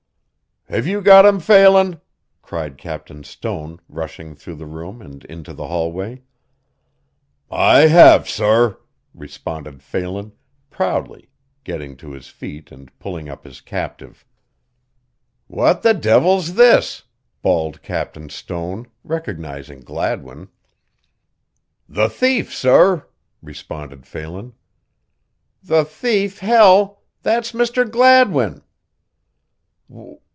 "Have you got him, Phelan?" cried Captain Stone, rushing through the room and into the hallway. "I have, sorr," responded Phelan, proudly, getting to his feet and pulling up his captive. "What the devil's this," bawled Captain Stone, recognizing Gladwin. "The thief, sorr," responded Phelan. "The thief, hell! That's Mr. Gladwin!"